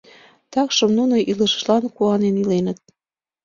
Такшым нуно илышлан куанен иленыт.